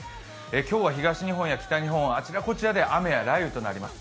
今日は東日本や北日本、あちらこちらで雨や雷雨となります。